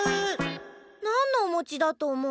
なんのおもちだとおもう？